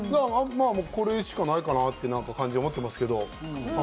これしかないかなと思ってますけど。